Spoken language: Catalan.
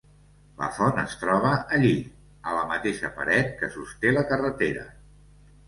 La font es troba allí, a la mateixa paret que sosté la carretera.